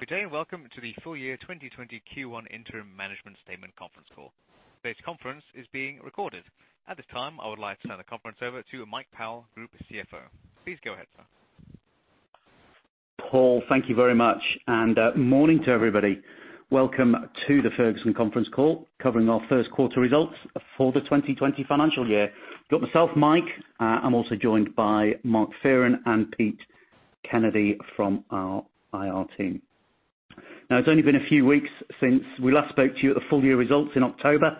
Good day and welcome to the full year 2020 Q1 interim management statement conference call. Today's conference is being recorded. At this time, I would like to turn the conference over to Mike Powell, Group CFO. Please go ahead, sir. Paul, thank you very much. Morning to everybody. Welcome to the Ferguson conference call, covering our first quarter results for the 2020 financial year. You've got myself, Mike. I'm also joined by Mark Fearon and Pete Kennedy from our IR team. Now, it's only been a few weeks since we last spoke to you at the full year results in October.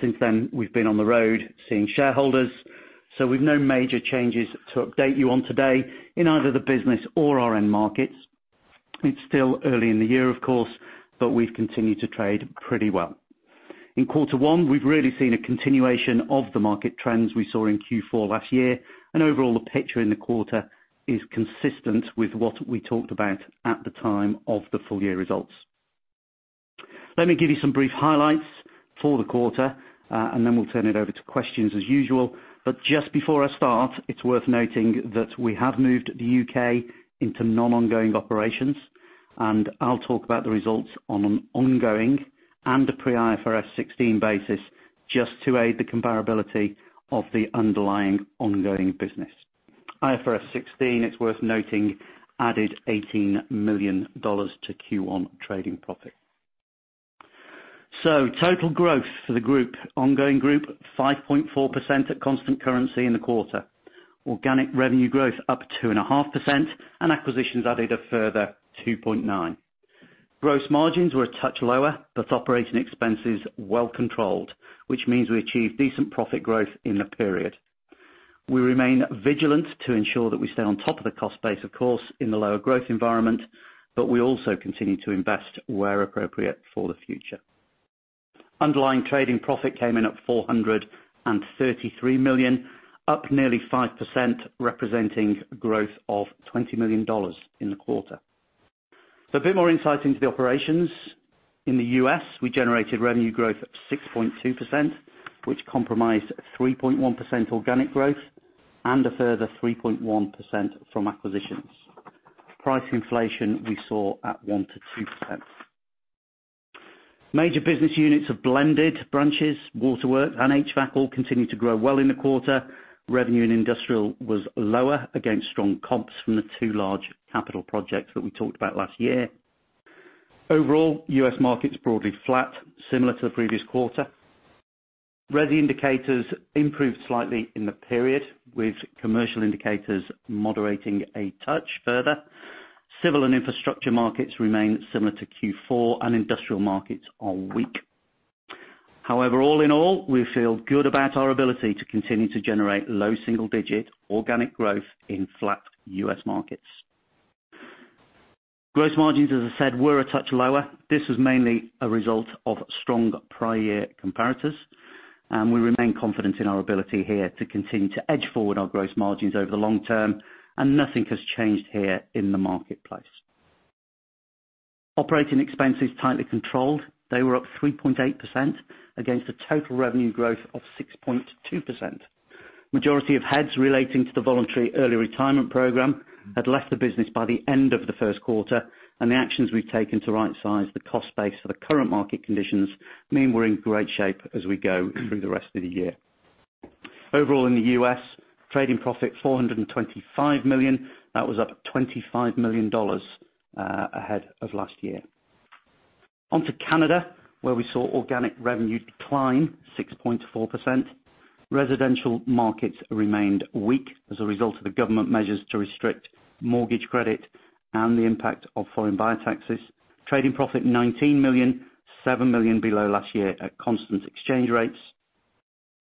Since then, we've been on the road seeing shareholders. We've no major changes to update you on today in either the business or our end markets. It's still early in the year, of course, but we've continued to trade pretty well. In quarter 1, we've really seen a continuation of the market trends we saw in Q4 last year. Overall, the picture in the quarter is consistent with what we talked about at the time of the full year results. Let me give you some brief highlights for the quarter, and then we'll turn it over to questions as usual. Just before I start, it's worth noting that we have moved the U.K. into non-ongoing operations, and I'll talk about the results on an ongoing and a pre IFRS 16 basis just to aid the comparability of the underlying ongoing business. IFRS 16, it's worth noting, added $18 million to Q1 trading profit. Total growth for the ongoing group, 5.4% at constant currency in the quarter. Organic revenue growth up 2.5%, and acquisitions added a further 2.9%. Gross margins were a touch lower, but operating expenses well controlled, which means we achieved decent profit growth in the period. We remain vigilant to ensure that we stay on top of the cost base, of course, in the lower growth environment, but we also continue to invest where appropriate for the future. Underlying trading profit came in at $433 million, up nearly 5%, representing growth of $20 million in the quarter. A bit more insight into the operations. In the U.S., we generated revenue growth at 6.2%, which comprised 3.1% organic growth and a further 3.1% from acquisitions. Price inflation we saw at 1%-2%. Major business units have blended. Branches, Waterworks, and HVAC all continued to grow well in the quarter. Revenue and Industrial was lower against strong comps from the two large capital projects that we talked about last year. Overall, U.S. markets broadly flat, similar to the previous quarter. Resi indicators improved slightly in the period, with commercial indicators moderating a touch further. Civil and infrastructure markets remain similar to Q4, and industrial markets are weak. However, all in all, we feel good about our ability to continue to generate low single-digit organic growth in flat U.S. markets. Gross margins, as I said, were a touch lower. This was mainly a result of strong prior year comparators, and we remain confident in our ability here to continue to edge forward our gross margins over the long term, and nothing has changed here in the marketplace. Operating expenses tightly controlled. They were up 3.8% against a total revenue growth of 6.2%. Majority of heads relating to the voluntary early retirement program had left the business by the end of the first quarter, and the actions we've taken to right-size the cost base for the current market conditions mean we're in great shape as we go through the rest of the year. Overall, in the U.S., trading profit $425 million. That was up $25 million ahead of last year. On to Canada, where we saw organic revenue decline 6.4%. Residential markets remained weak as a result of the government measures to restrict mortgage credit and the impact of foreign buyer taxes. Trading profit $19 million, $7 million below last year at constant exchange rates.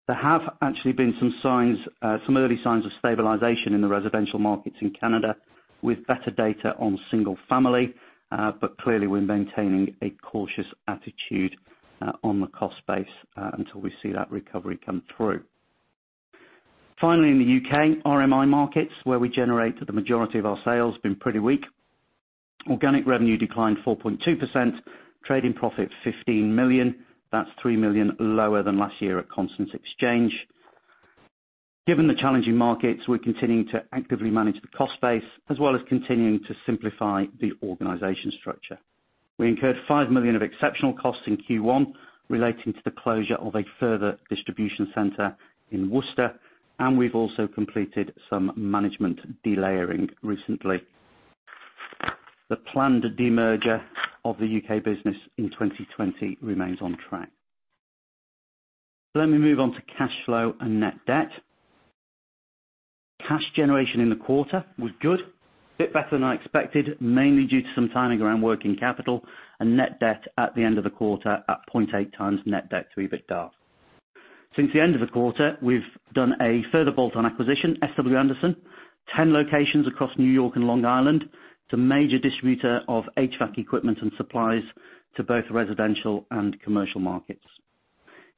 There have actually been some early signs of stabilization in the residential markets in Canada with better data on single family. Clearly, we're maintaining a cautious attitude on the cost base until we see that recovery come through. Finally, in the U.K., RMI markets, where we generate the majority of our sales, have been pretty weak. Organic revenue declined 4.2%, trading profit $15 million. That's $3 million lower than last year at constant exchange. Given the challenging markets, we're continuing to actively manage the cost base, as well as continuing to simplify the organization structure. We incurred 5 million of exceptional costs in Q1 relating to the closure of a further distribution center in Worcester, and we've also completed some management delayering recently. The planned demerger of the U.K. business in 2020 remains on track. Let me move on to cash flow and net debt. Cash generation in the quarter was good, a bit better than I expected, mainly due to some timing around working capital and net debt at the end of the quarter at 0.8 times net debt to EBITDA. Since the end of the quarter, we've done a further bolt-on acquisition, S.W. Anderson, 10 locations across N.Y. and Long Island. It's a major distributor of HVAC equipment and supplies to both residential and commercial markets.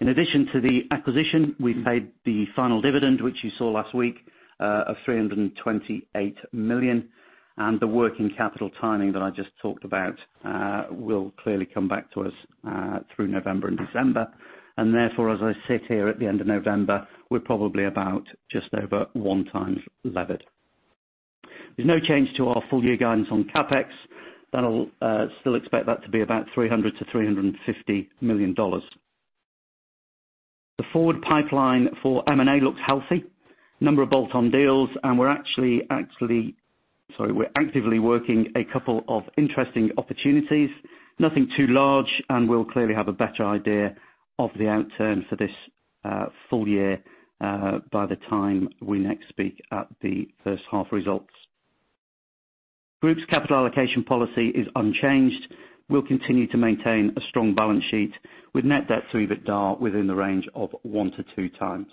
In addition to the acquisition, we paid the final dividend, which you saw last week, of $328 million. The working capital timing that I just talked about will clearly come back to us through November and December. Therefore, as I sit here at the end of November, we're probably about just over one times levered. There's no change to our full year guidance on CapEx. Still expect that to be about $300 million-$350 million. The forward pipeline for M&A looks healthy. Number of bolt-on deals. We're actively working a couple of interesting opportunities, nothing too large. We'll clearly have a better idea of the outturn for this full year by the time we next speak at the first half results. Group's capital allocation policy is unchanged. We'll continue to maintain a strong balance sheet with net debt to EBITDA within the range of one to two times.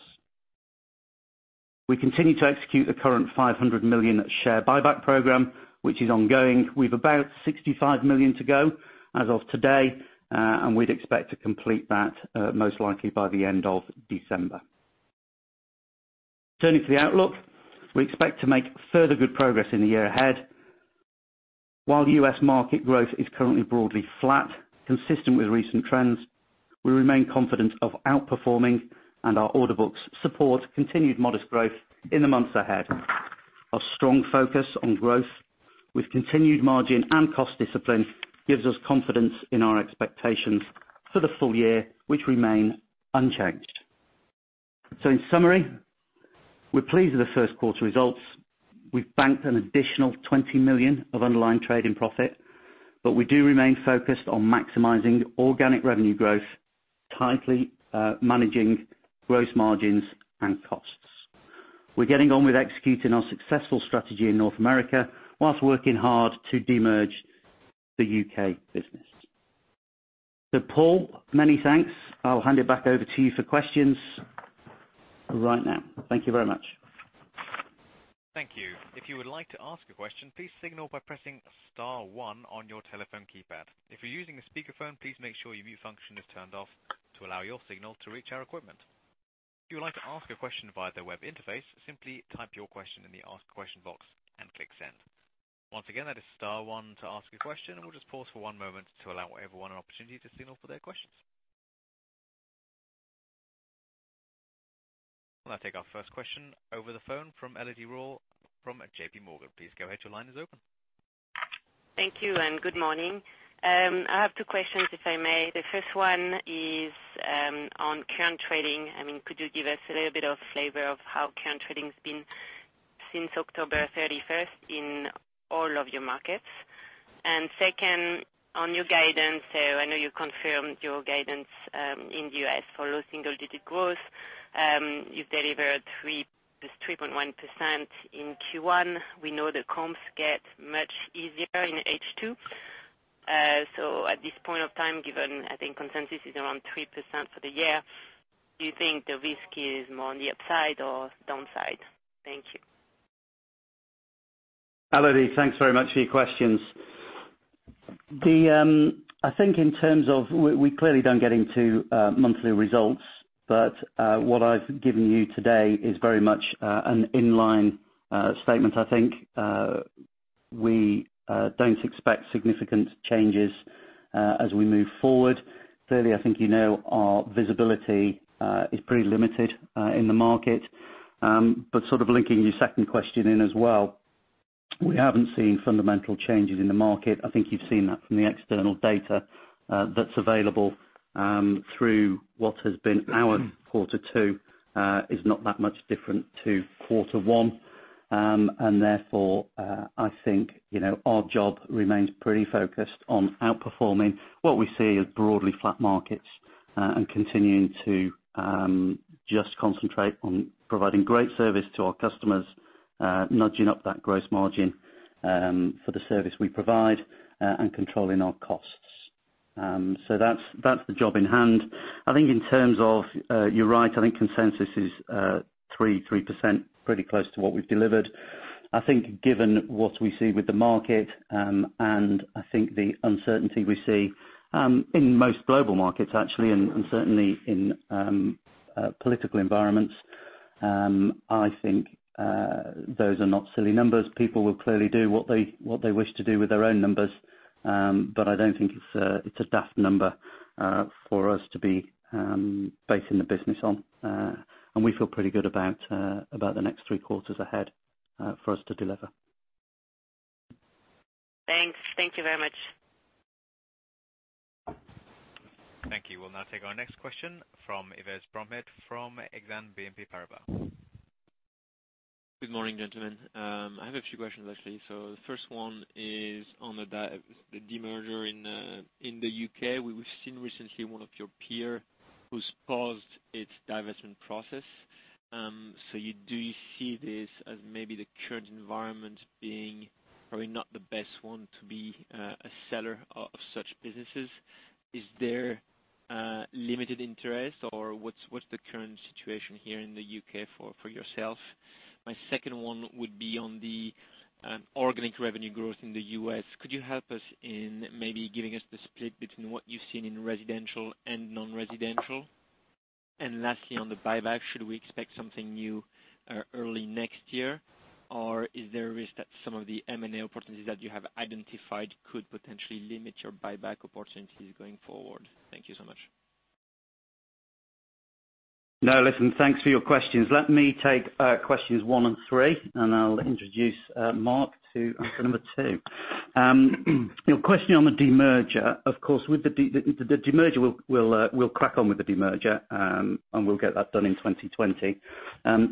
We continue to execute the current 500 million share buyback program, which is ongoing. We've about 65 million to go as of today, we'd expect to complete that most likely by the end of December. Turning to the outlook, we expect to make further good progress in the year ahead. While the U.S. market growth is currently broadly flat, consistent with recent trends, we remain confident of outperforming and our order books support continued modest growth in the months ahead. Our strong focus on growth with continued margin and cost discipline gives us confidence in our expectations for the full year, which remain unchanged. In summary, we're pleased with the first quarter results. We've banked an additional $20 million of underlying trading profit, but we do remain focused on maximizing organic revenue growth, tightly managing gross margins and costs. We're getting on with executing our successful strategy in North America whilst working hard to de-merge the U.K. business. Paul, many thanks. I'll hand it back over to you for questions right now. Thank you very much. Thank you. If you would like to ask a question, please signal by pressing star one on your telephone keypad. If you're using a speakerphone, please make sure your mute function is turned off to allow your signal to reach our equipment. If you would like to ask a question via the web interface, simply type your question in the ask question box and click send. Once again, that is star one to ask a question and we'll just pause for one moment to allow everyone an opportunity to signal for their questions. We'll now take our first question over the phone from Elodie Rall from J.P. Morgan. Please go ahead. Your line is open. Thank you, and good morning. I have two questions, if I may. The first one is on current trading. Could you give us a little bit of flavor of how current trading has been since October 31st in all of your markets? Second, on your guidance, I know you confirmed your guidance, in the U.S. for low single digit growth. You've delivered 3.1% in Q1. We know the comps get much easier in H2. At this point of time, given, I think consensus is around 3% for the year, do you think the risk is more on the upside or downside? Thank you. Elodie, thanks very much for your questions. We clearly don't get into monthly results, but what I've given you today is very much an inline statement. I think we don't expect significant changes as we move forward. Clearly, I think you know our visibility is pretty limited in the market. Sort of linking your second question in as well, we haven't seen fundamental changes in the market. I think you've seen that from the external data that's available through what has been our quarter two is not that much different to quarter one. Therefore, I think our job remains pretty focused on outperforming what we see as broadly flat markets and continuing to just concentrate on providing great service to our customers, nudging up that gross margin for the service we provide and controlling our costs. That's the job in hand. You're right, I think consensus is 3%, pretty close to what we've delivered. I think given what we see with the market, and I think the uncertainty we see in most global markets actually, and certainly in political environments, I think those are not silly numbers. People will clearly do what they wish to do with their own numbers, but I don't think it's a daft number for us to be basing the business on. We feel pretty good about the next three quarters ahead for us to deliver. Thanks. Thank you very much. Thank you. We'll now take our next question from Yves Bromehead from Exane BNP Paribas. Good morning, gentlemen. I have a few questions, actually. The first one is on the demerger in the U.K., where we've seen recently one of your peer who's paused its divestment process. Do you see this as maybe the current environment being probably not the best one to be a seller of such businesses? Is there limited interest or what's the current situation here in the U.K. for yourself? My second one would be on the organic revenue growth in the U.S. Could you help us in maybe giving us the split between what you've seen in residential and non-residential? Lastly, on the buyback, should we expect something new early next year or is there a risk that some of the M&A opportunities that you have identified could potentially limit your buyback opportunities going forward? Thank you so much. No, listen, thanks for your questions. Let me take questions one and three, and I will introduce Mark to answer number 2. Your question on the demerger. Of course, we will crack on with the demerger, and we will get that done in 2020.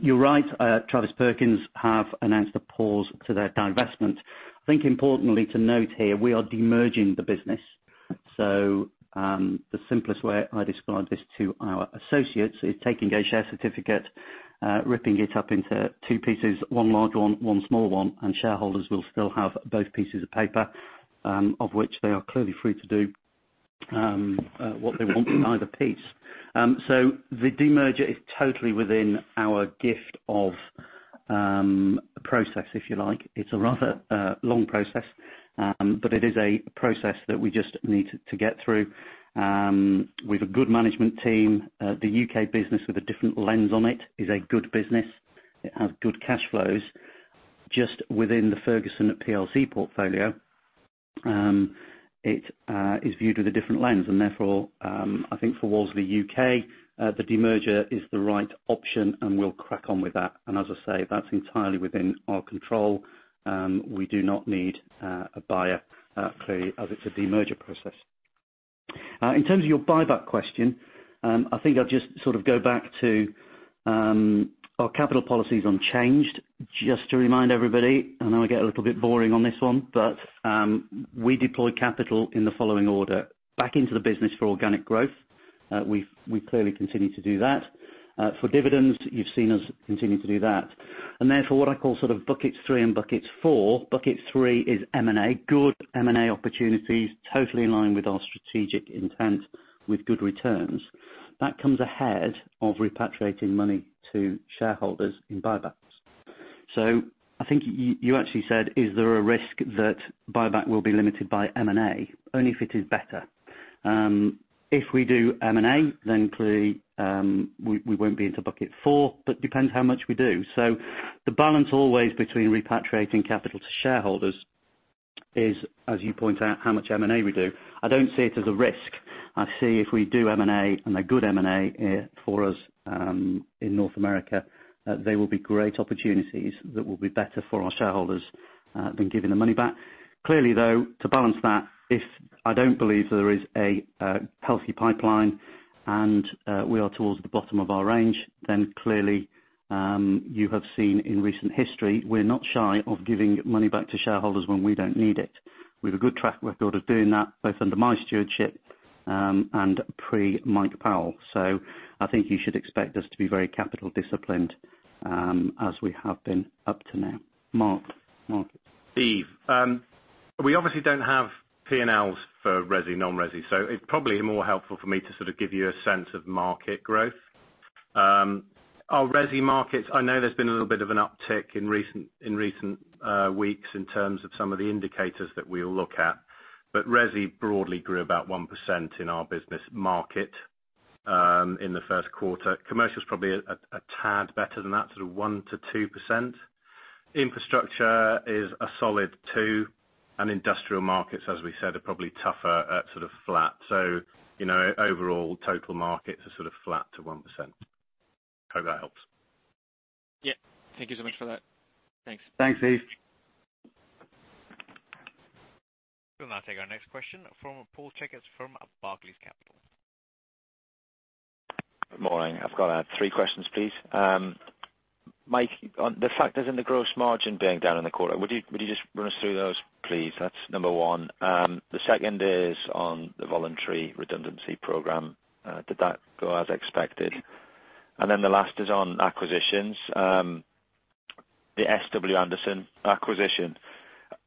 You're right, Travis Perkins have announced a pause to their divestment. I think importantly to note here, we are demerging the business. The simplest way I describe this to our associates is taking a share certificate, ripping it up into two pieces, one large one small one, and shareholders will still have both pieces of paper, of which they are clearly free to do what they want with either piece. The demerger is totally within our gift of process, if you like. It is a rather long process, but it is a process that we just need to get through. We have a good management team. The UK business with a different lens on it is a good business. It has good cash flows. Just within the Ferguson plc portfolio, it is viewed with a different lens. Therefore, I think for Wolseley UK, the demerger is the right option, and we will crack on with that. As I say, that is entirely within our control. We do not need a buyer, clearly, as it is a demerger process. In terms of your buyback question, I think I will just go back to our capital policy is unchanged. Just to remind everybody, I know I get a little bit boring on this one, but we deploy capital in the following order: back into the business for organic growth, we clearly continue to do that. For dividends, you have seen us continue to do that. Therefore, what I call buckets three and buckets four, bucket three is M&A, good M&A opportunities, totally in line with our strategic intent with good returns. That comes ahead of repatriating money to shareholders in buybacks. I think you actually said, is there a risk that buyback will be limited by M&A? Only if it is better. If we do M&A, then clearly we won't be into bucket four, but depends how much we do. The balance always between repatriating capital to shareholders is, as you point out, how much M&A we do. I don't see it as a risk. I see if we do M&A, and a good M&A for us in North America, they will be great opportunities that will be better for our shareholders than giving the money back. Clearly, to balance that, if I don't believe there is a healthy pipeline and we are towards the bottom of our range, clearly, you have seen in recent history, we are not shy of giving money back to shareholders when we don't need it. We have a good track record of doing that, both under my stewardship and pre Mike Powell. I think you should expect us to be very capital disciplined as we have been up to now. Mark? Steve. We obviously don't have P&Ls for resi, non-resi. It's probably more helpful for me to give you a sense of market growth. Our resi markets, I know there's been a little bit of an uptick in recent weeks in terms of some of the indicators that we all look at. Resi broadly grew about 1% in our business market in the first quarter. Commercial is probably a tad better than that, sort of 1%-2%. Infrastructure is a solid 2%. Industrial markets, as we said, are probably tougher at sort of flat. Overall, total markets are sort of flat to 1%. Hope that helps. Yeah. Thank you so much for that. Thanks. Thanks, Yves. We'll now take our next question from Paul Checketts from Barclays Capital. Good morning. I've got three questions, please. Mike, on the factors in the gross margin being down in the quarter, would you just run us through those, please? That's number one. The second is on the voluntary redundancy program. Did that go as expected? Then the last is on acquisitions, the S.W. Anderson acquisition.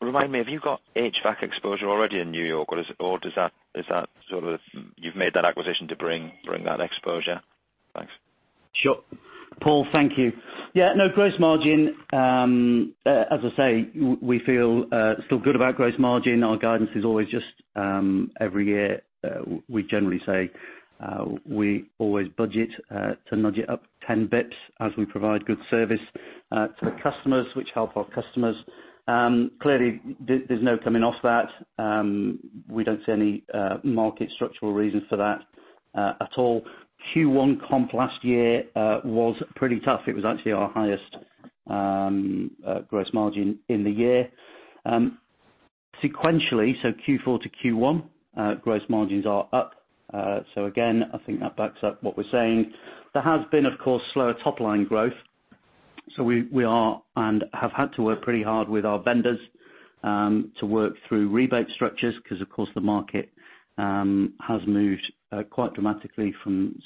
Remind me, have you got HVAC exposure already in New York? Or you've made that acquisition to bring that exposure? Thanks. Sure. Paul, thank you. Yeah. Gross margin, as I say, we feel still good about gross margin. Our guidance is always just every year, we generally say we always budget to nudge it up 10 basis points as we provide good service to the customers, which help our customers. Clearly, there's no coming off that. We don't see any market structural reasons for that at all. Q1 comp last year was pretty tough. It was actually our highest gross margin in the year. Sequentially, so Q4 to Q1, gross margins are up. Again, I think that backs up what we're saying. There has been, of course, slower top-line growth. We are and have had to work pretty hard with our vendors to work through rebate structures because, of course, the market has moved quite dramatically from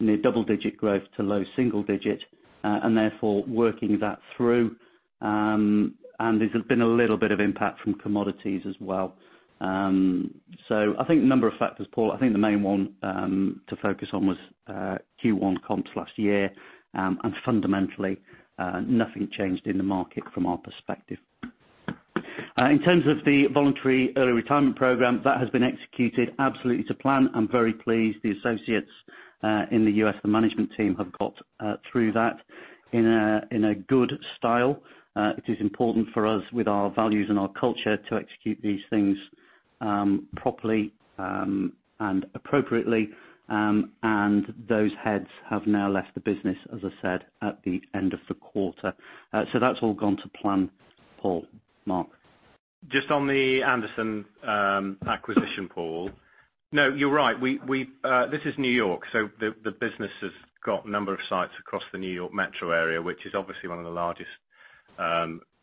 near double-digit growth to low single digit, and therefore working that through. There has been a little bit of impact from commodities as well. I think a number of factors, Paul. I think the main one to focus on was Q1 comps last year, and fundamentally, nothing changed in the market from our perspective. In terms of the voluntary early retirement program, that has been executed absolutely to plan. I'm very pleased the associates in the U.S., the management team, have got through that in a good style. It is important for us, with our values and our culture, to execute these things properly and appropriately, and those heads have now left the business, as I said, at the end of the quarter. That's all gone to plan, Paul. Mark. Just on the Anderson acquisition, Paul. You're right. This is New York, so the business has got a number of sites across the New York metro area, which is obviously one of the largest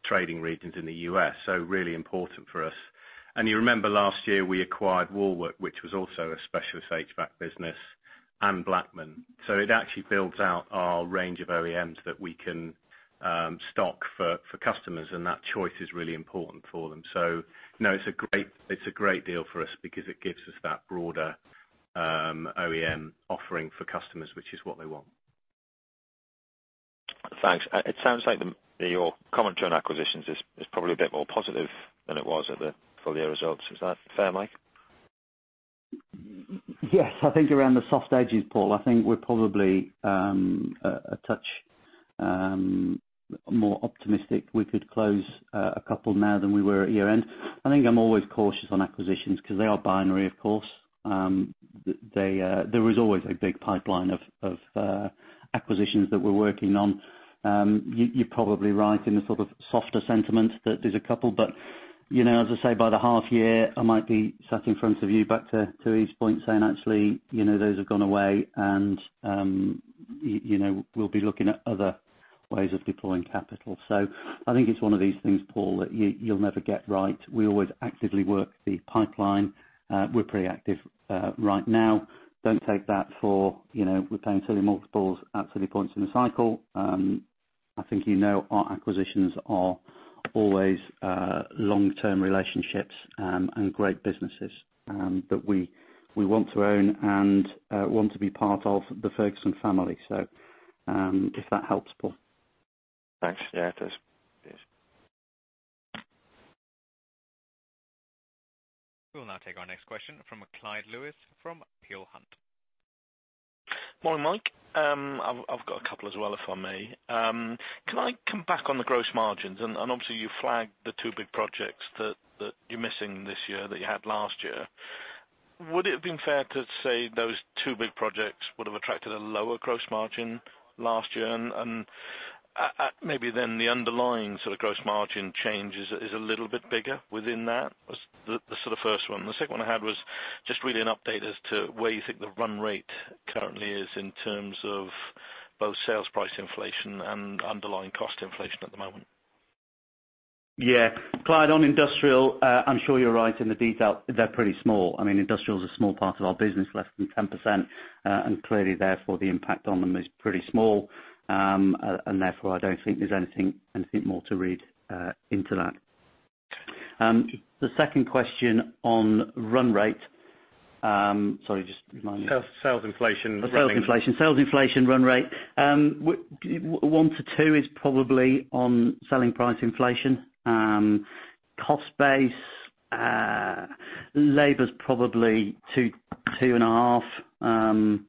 trading regions in the U.S., so really important for us. You remember last year we acquired Wallwork, which was also a specialist HVAC business, and Blackman. It actually builds out our range of OEMs that we can stock for customers, and that choice is really important for them. No, it's a great deal for us because it gives us that broader OEM offering for customers, which is what they want. Thanks. It sounds like your comment on acquisitions is probably a bit more positive than it was at the full-year results. Is that fair, Mike? Yes. I think around the soft edges, Paul. I think we're probably a touch more optimistic we could close a couple now than we were at year-end. I think I'm always cautious on acquisitions because they are binary, of course. There is always a big pipeline of acquisitions that we're working on. You're probably right in the sort of softer sentiment that there's a couple, but as I say, by the half year, I might be sat in front of you, back to, [inaudible] saying, "Actually, those have gone away," and we'll be looking at other ways of deploying capital. I think it's one of these things, Paul, that you'll never get right. We always actively work the pipeline. We're pretty active right now. Don't take that for we're paying silly multiples at silly points in the cycle. I think you know our acquisitions are always long-term relationships and great businesses that we want to own and want to be part of the Ferguson family. If that helps, Paul. Thanks. Yeah, it does. Cheers. We will now take our next question from Clyde Lewis from Peel Hunt. Morning, Mike. I've got a couple as well, if I may. Can I come back on the gross margins? Obviously you flagged the two big projects that you're missing this year that you had last year. Would it have been fair to say those two big projects would have attracted a lower gross margin last year, and maybe then the underlying gross margin change is a little bit bigger within that? Was the sort of first one. The second one I had was just really an update as to where you think the run rate currently is in terms of both sales price inflation and underlying cost inflation at the moment. Yeah. Clyde, on industrial, I'm sure you're right in the detail. They're pretty small. Industrial is a small part of our business, less than 10%, and clearly, therefore, the impact on them is pretty small, and therefore, I don't think there's anything more to read into that. The second question on run rate, sorry, just remind me. Sales inflation. Sales inflation run rate. 1-2 is probably on selling price inflation. Cost base, labor is probably 2.5. It's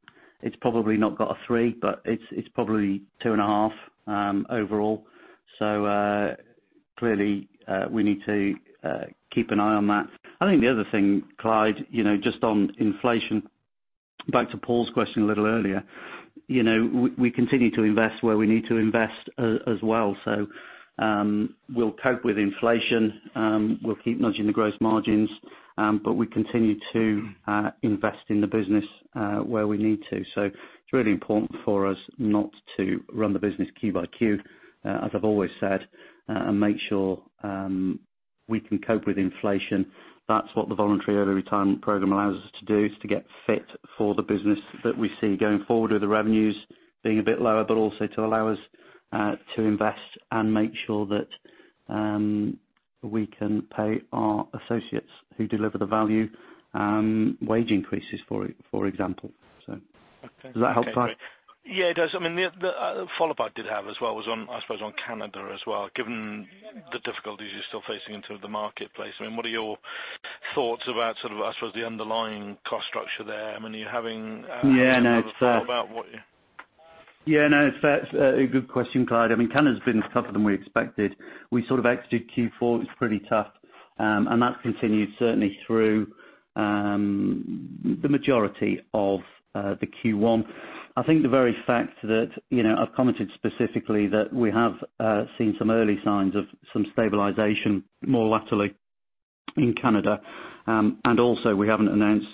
probably not got a 3, but it's probably 2.5 overall. Clearly we need to keep an eye on that. I think the other thing, Clyde, just on inflation, back to Paul's question a little earlier. We continue to invest where we need to invest as well. We'll cope with inflation. We'll keep nudging the gross margins, we continue to invest in the business where we need to. It's really important for us not to run the business Q by Q, as I've always said, and make sure we can cope with inflation. That's what the voluntary early retirement program allows us to do, is to get fit for the business that we see going forward with the revenues being a bit lower, but also to allow us to invest and make sure that we can pay our associates who deliver the value wage increases, for example. Does that help, Clyde? Yeah, it does. The follow-up I did have as well was on, I suppose, on Canada as well. Given the difficulties you're still facing in terms of the marketplace, what are your thoughts about the underlying cost structure there? Are you having- Yeah, no. thoughts about what you- Yeah, no, it's a good question, Clyde. Canada has been tougher than we expected. We sort of exited Q4, it was pretty tough, and that continued certainly through the majority of the Q1. I think the very fact that I've commented specifically that we have seen some early signs of some stabilization more laterally in Canada, and also we haven't announced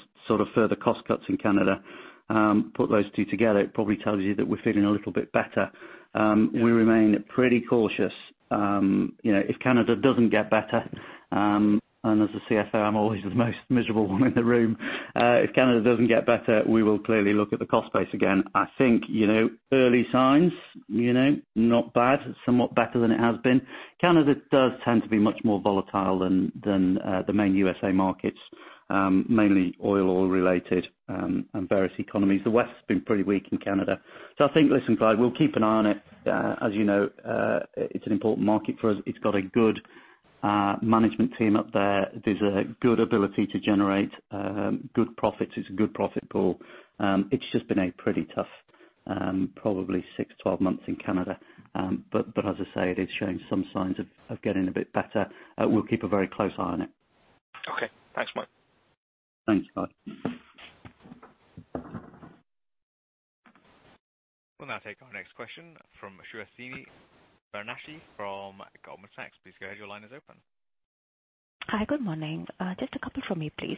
further cost cuts in Canada. Put those two together, it probably tells you that we're feeling a little bit better. We remain pretty cautious. If Canada doesn't get better, and as a CFO, I'm always the most miserable one in the room. If Canada doesn't get better, we will clearly look at the cost base again. I think early signs, not bad, somewhat better than it has been. Canada does tend to be much more volatile than the main U.S.A. markets. Mainly oil related and various economies. The West has been pretty weak in Canada. I think, listen, Clyde, we'll keep an eye on it. As you know, it's an important market for us. It's got a good management team up there. There's a good ability to generate good profits. It's a good profit pool. It's just been a pretty tough probably 6-12 months in Canada. As I say, it is showing some signs of getting a bit better. We'll keep a very close eye on it. Okay. Thanks, Mike. Thanks, Clyde. We'll now take our next question from Suresh Thini Baranashi from Goldman Sachs. Please go ahead. Your line is open. Hi. Good morning. Just a couple from me, please.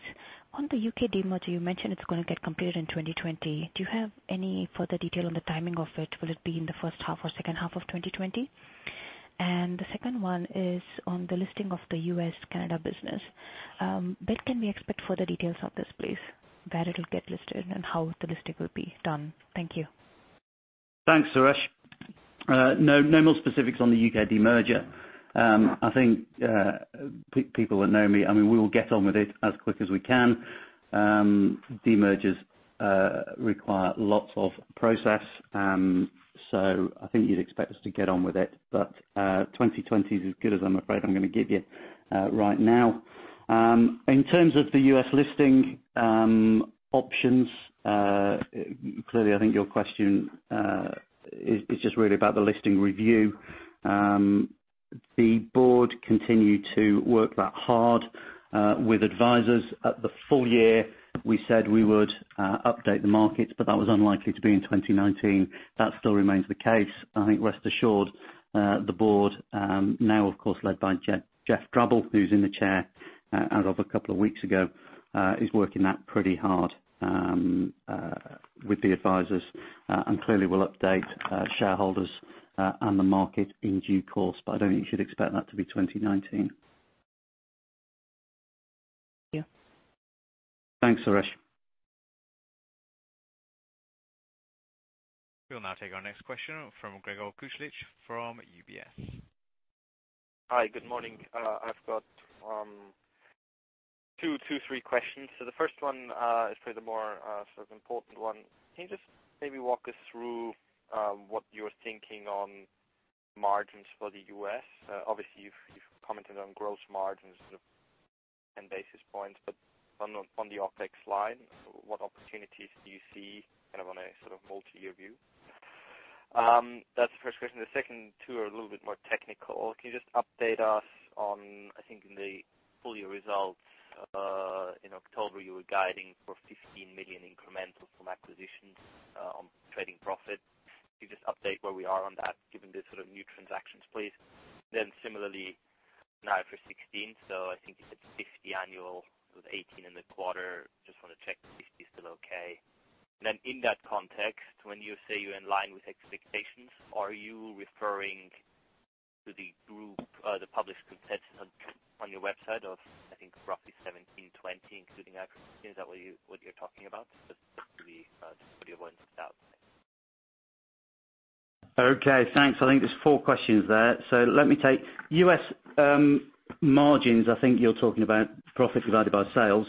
On the U.K. demerger, you mentioned it's going to get completed in 2020. Do you have any further detail on the timing of it? Will it be in the first half or second half of 2020? The second one is on the listing of the U.S., Canada business. When can we expect further details of this, please? Where it'll get listed and how the listing will be done? Thank you. Thanks, Suresh. No more specifics on the U.K. demerger. I think people will know me. I mean, we will get on with it as quick as we can. Demergers require lots of process, so I think you'd expect us to get on with it. 2020 is as good as I'm afraid I'm going to give you right now. In terms of the U.S. listing options, clearly I think your question is just really about the listing review. The board continued to work that hard with advisors. At the full year, we said we would update the markets, but that was unlikely to be in 2019. That still remains the case. I think rest assured the board now, of course, led by Geoff Drabble, who's in the chair as of a couple of weeks ago is working that pretty hard with the advisors. Clearly we'll update shareholders and the market in due course, I don't think you should expect that to be 2019. Yeah. Thanks, Suresh. We'll now take our next question from Gregor Kuglitsch from UBS. Hi. Good morning. I've got two, three questions. The first one is probably the more sort of important one. Can you just maybe walk us through what you're thinking on margins for the U.S.? Obviously, you've commented on gross margins sort of and basis points, but on the OpEx line, what opportunities do you see kind of on a sort of multi-year view? That's the first question. The second two are a little bit more technical. Can you just update us on, I think in the full year results in October you were guiding for $15 million incremental from acquisitions on trading profit. Can you just update where we are on that, given the sort of new transactions, please? Similarly, now for 16, I think you said $50 annual with $18 in the quarter, just want to check the $50 is still okay. In that context, when you say you're in line with expectations, are you referring to the group, the published consensus on your website of I think roughly 17.20 including acquisition? Is that what you're talking about? Just basically, what is your view on that? Okay, thanks. I think there's four questions there. Let me take U.S. margins I think you're talking about profit divided by sales.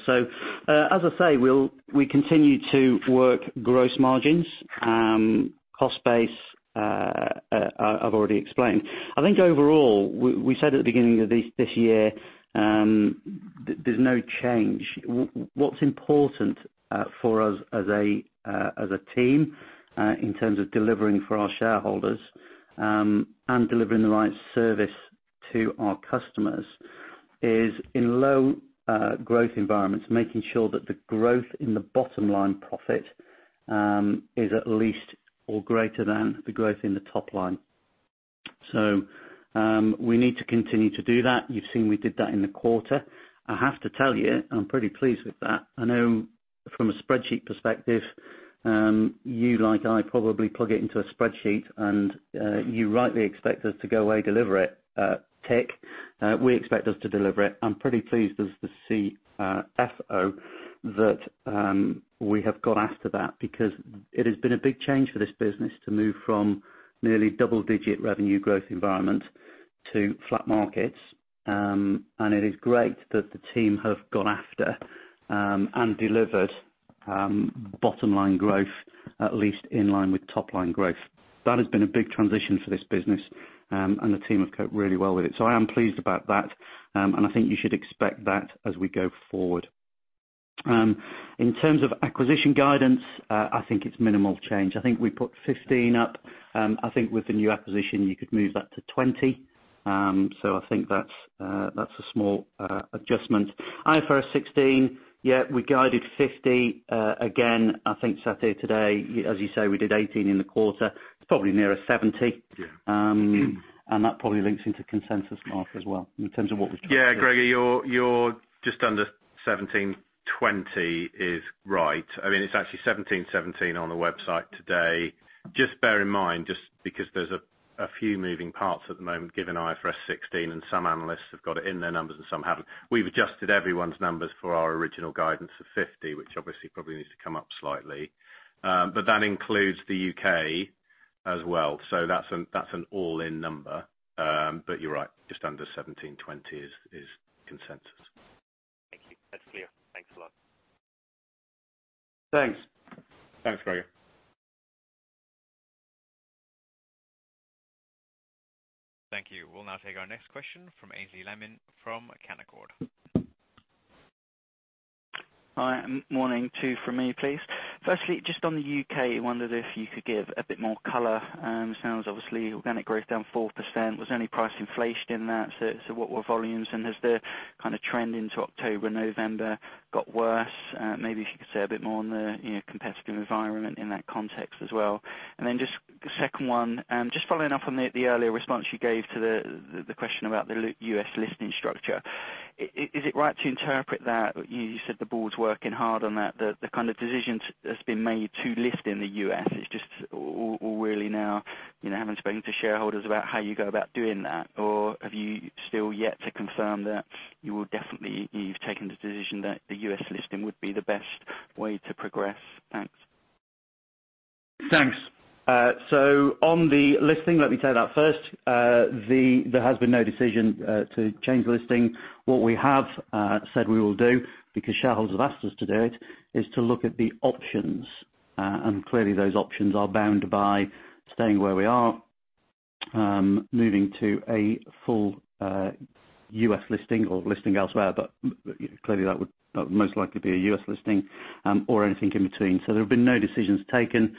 As I say, we continue to work gross margins. Cost base, I've already explained. I think overall, we said at the beginning of this year, there's no change. What's important for us as a team in terms of delivering for our shareholders, and delivering the right service to our customers is in low growth environments, making sure that the growth in the bottom line profit is at least or greater than the growth in the top line. We need to continue to do that. You've seen we did that in the quarter. I have to tell you, I'm pretty pleased with that. I know from a spreadsheet perspective, you like I probably plug it into a spreadsheet and you rightly expect us to go away, deliver it, tick. We expect us to deliver it. I'm pretty pleased as the CFO that we have got after that because it has been a big change for this business to move from nearly double-digit revenue growth environment to flat markets. It is great that the team have gone after and delivered bottom line growth, at least in line with top line growth. That has been a big transition for this business, and the team have coped really well with it. I am pleased about that, and I think you should expect that as we go forward. In terms of acquisition guidance, I think it's minimal change. I think we put 15 up. I think with the new acquisition you could move that to 20. I think that's a small adjustment. IFRS 16, yeah, we guided 50. I think sat here today, as you say, we did 18 in the quarter. It's probably nearer 70. Yeah. That probably links into consensus, Mark, as well, in terms of what we're trying to do. Gregor, your just under 17.20 is right. I mean, it's actually 17.17 on the website today. Just bear in mind, just because there's a few moving parts at the moment, given IFRS 16 and some analysts have got it in their numbers and some haven't. We've adjusted everyone's numbers for our original guidance of 0.50, which obviously probably needs to come up slightly. That includes the U.K. as well. That's an all-in number. You're right, just under 17.20 is consensus. Thank you. That's clear. Thanks a lot. Thanks. Thanks, Gregor. Thank you. We'll now take our next question from Aynsley Lammin from Canaccord. Hi, morning to from me, please. Firstly, just on the U.K., wondered if you could give a bit more color. Sounds obviously organic growth down 4%. Was there any price inflation in that? What were volumes, and has the kind of trend into October, November got worse? Maybe if you could say a bit more on the competitive environment in that context as well. Just the second one, just following up on the earlier response you gave to the question about the U.S. listing structure. Is it right to interpret that you said the board's working hard on that, the kind of decision has been made to list in the U.S. is just all really now, having spoken to shareholders about how you go about doing that? Have you still yet to confirm that you've taken the decision that the U.S. listing would be the best way to progress? Thanks. Thanks. On the listing, let me take that first. There has been no decision to change the listing. What we have said we will do, because shareholders have asked us to do it, is to look at the options. Clearly those options are bound by staying where we are, moving to a full U.S. listing or listing elsewhere, but clearly that would most likely be a U.S. listing, or anything in between. There have been no decisions taken.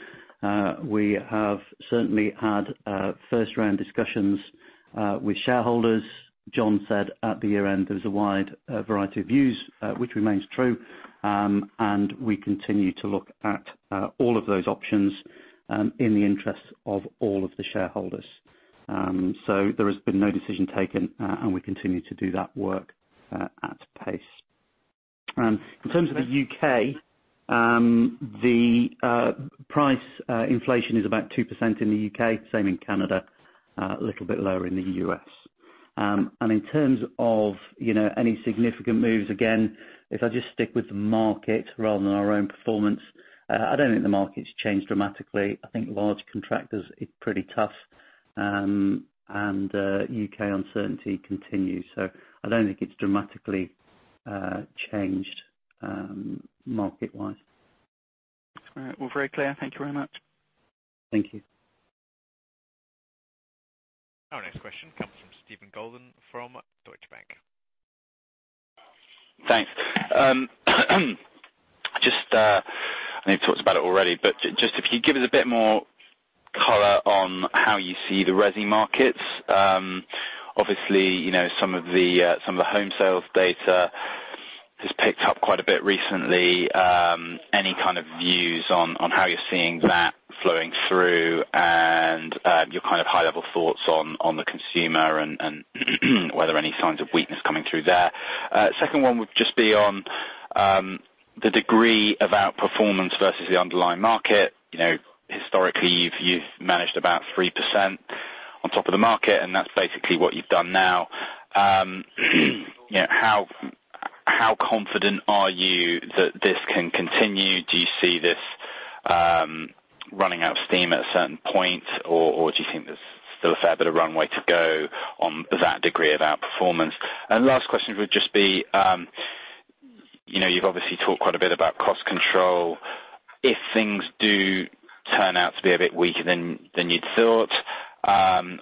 We have certainly had first-round discussions with shareholders. John said at the year-end, there was a wide variety of views, which remains true. We continue to look at all of those options, in the interests of all of the shareholders. There has been no decision taken, and we continue to do that work at pace. In terms of the U.K., the price inflation is about 2% in the U.K., same in Canada, a little bit lower in the U.S. In terms of any significant moves, again, if I just stick with the market rather than our own performance, I don't think the market's changed dramatically. I think large contractors, it's pretty tough. U.K. uncertainty continues, so I don't think it's dramatically changed market-wise. All right. Well, very clear. Thank you very much. Thank you. Our next question comes from Stephen Golden from Deutsche Bank. Thanks. I know you've talked about it already, but just if you could give us a bit more color on how you see the resi markets. Obviously, some of the home sales data has picked up quite a bit recently. Any kind of views on how you're seeing that flowing through and your kind of high-level thoughts on the consumer and whether any signs of weakness coming through there? Second one would just be on the degree of outperformance versus the underlying market. Historically, you've managed about 3% on top of the market, and that's basically what you've done now. How confident are you that this can continue? Do you see this running out of steam at a certain point, or do you think there's still a fair bit of runway to go on that degree of outperformance? Last question would just be, you've obviously talked quite a bit about cost control. If things do turn out to be a bit weaker than you'd thought,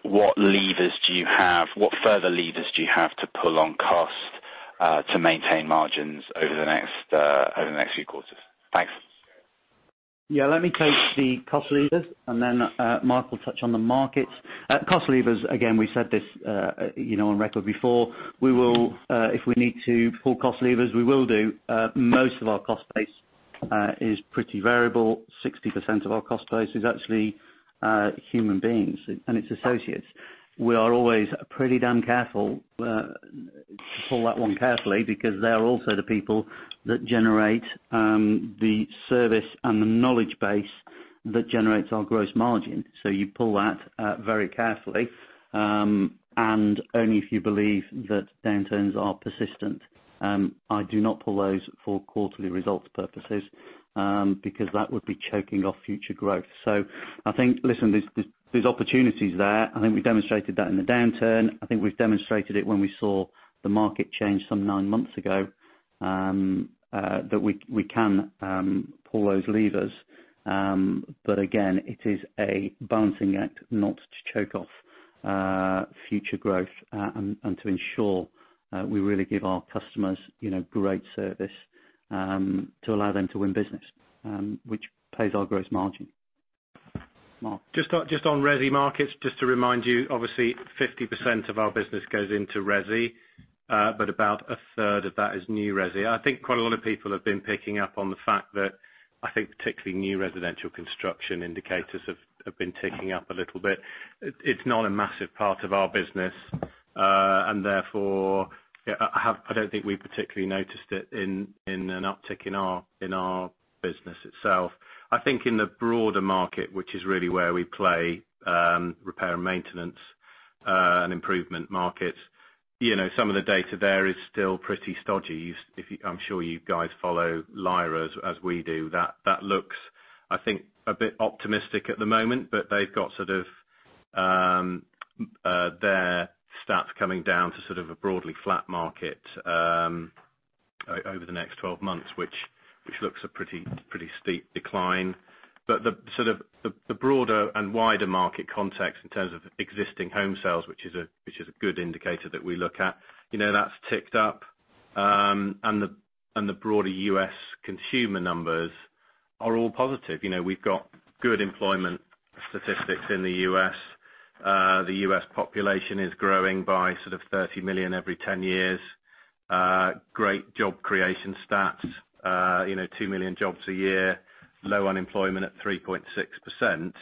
what levers do you have, what further levers do you have to pull on cost to maintain margins over the next few quarters? Thanks. Yeah, let me take the cost levers, and then Mark will touch on the markets. Cost levers, again, we said this on record before. If we need to pull cost levers, we will do. Most of our cost base is pretty variable. 60% of our cost base is actually human beings, and it's associates. We are always pretty damn careful to pull that one carefully, because they're also the people that generate the service and the knowledge base that generates our gross margin. You pull that very carefully, and only if you believe that downturns are persistent. I do not pull those for quarterly results purposes, because that would be choking off future growth. I think, listen, there's opportunities there. I think we demonstrated that in the downturn. I think we've demonstrated it when we saw the market change some nine months ago, that we can pull those levers. Again, it is a balancing act not to choke off future growth and to ensure we really give our customers great service to allow them to win business, which pays our gross margin. Mark. Just on resi markets, just to remind you, obviously 50% of our business goes into resi, but about a third of that is new resi. I think quite a lot of people have been picking up on the fact that, I think particularly new residential construction indicators have been ticking up a little bit. It's not a massive part of our business. Therefore, I don't think we particularly noticed it in an uptick in our business itself. I think in the broader market, which is really where we play, repair and maintenance and improvement market. Some of the data there is still pretty stodgy. I'm sure you guys follow LIRA as we do. That looks, I think, a bit optimistic at the moment, but they've got their stats coming down to a broadly flat market over the next 12 months, which looks a pretty steep decline. The broader and wider market context in terms of existing home sales, which is a good indicator that we look at, that's ticked up. The broader U.S. consumer numbers are all positive. We've got good employment statistics in the U.S. The U.S. population is growing by 30 million every 10 years. Great job creation stats, 2 million jobs a year, low unemployment at 3.6%,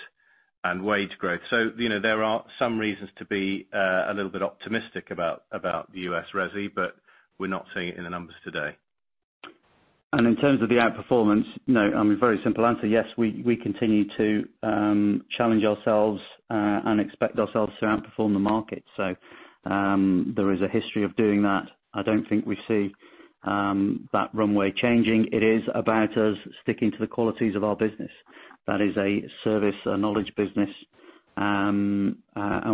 and wage growth. There are some reasons to be a little bit optimistic about the U.S. resi, but we're not seeing it in the numbers today. In terms of the outperformance, very simple answer, yes, we continue to challenge ourselves and expect ourselves to outperform the market. There is a history of doing that. I don't think we see that runway changing. It is about us sticking to the qualities of our business. That is a service, a knowledge business, and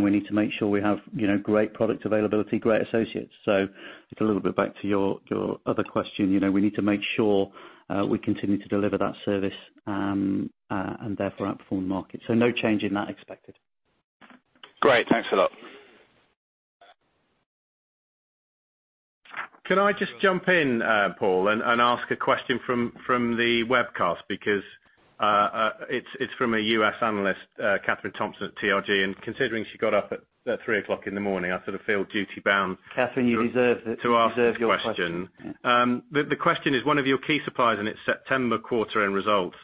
we need to make sure we have great product availability, great associates. It's a little bit back to your other question. We need to make sure we continue to deliver that service, and therefore outperform the market. No change in that expected. Great. Thanks a lot. Can I just jump in, Paul, and ask a question from the webcast? It's from a U.S. analyst, Kathryn Thompson at TRG, and considering she got up at three o'clock in the morning, I sort of feel duty bound. Kathryn, you deserve it. to ask the question. You deserve your question. The question is, one of your key suppliers in its September quarter end results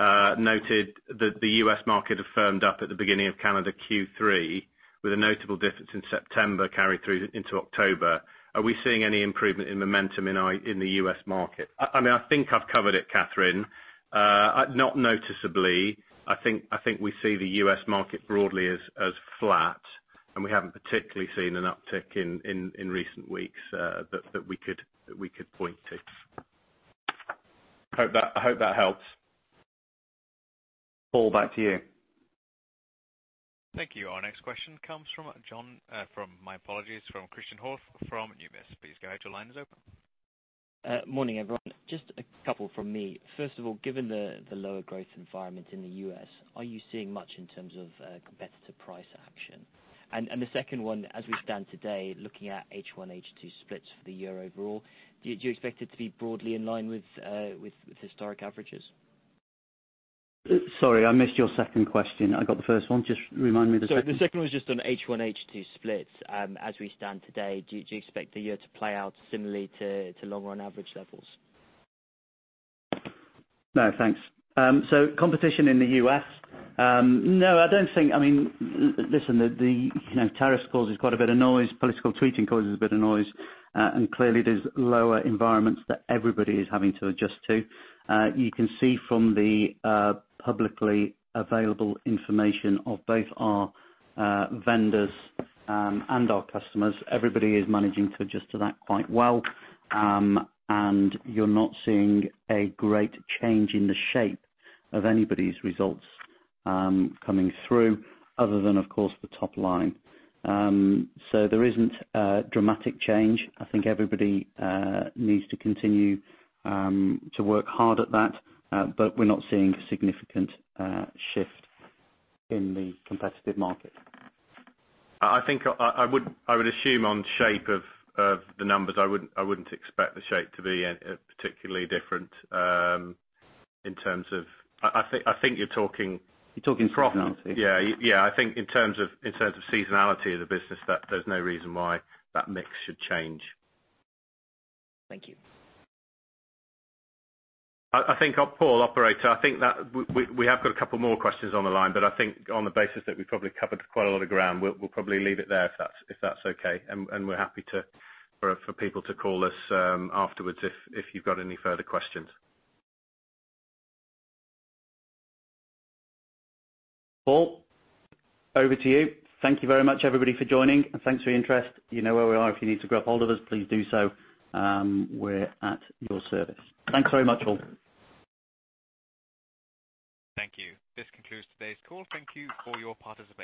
noted that the U.S. market have firmed up at the beginning of calendar Q3, with a notable difference in September carry through into October. Are we seeing any improvement in momentum in the U.S. market? I think I've covered it, Kathryn. Not noticeably. I think we see the U.S. market broadly as flat, and we haven't particularly seen an uptick in recent weeks that we could point to. I hope that helps. Paul, back to you. Thank you. Our next question comes from Christian Hoff from Numis. Please go ahead. Your line is open. Morning, everyone. Just a couple from me. First of all, given the lower growth environment in the U.S., are you seeing much in terms of competitive price action? The second one, as we stand today, looking at H1, H2 splits for the year overall, do you expect it to be broadly in line with historic averages? Sorry, I missed your second question. I got the first one. Just remind me of the second? Sorry, the second one is just on H1, H2 splits. As we stand today, do you expect the year to play out similarly to long-run average levels? No, thanks. Competition in the U.S. Listen, the tariff causes quite a bit of noise. Political tweeting causes a bit of noise. Clearly there's lower environments that everybody is having to adjust to. You can see from the publicly available information of both our vendors and our customers, everybody is managing to adjust to that quite well. You're not seeing a great change in the shape of anybody's results coming through, other than, of course, the top line. There isn't a dramatic change. I think everybody needs to continue to work hard at that. We're not seeing a significant shift in the competitive market. I would assume on shape of the numbers, I wouldn't expect the shape to be particularly different. You're talking profit now. Yeah. I think in terms of seasonality of the business, there's no reason why that mix should change. Thank you. Paul, operator, I think that we have got a couple more questions on the line. I think on the basis that we've probably covered quite a lot of ground, we'll probably leave it there, if that's okay. We're happy for people to call us afterwards if you've got any further questions. Paul, over to you. Thank you very much, everybody, for joining, and thanks for your interest. You know where we are. If you need to grab hold of us, please do so. We're at your service. Thanks very much, all. Thank you. This concludes today's call. Thank you for your participation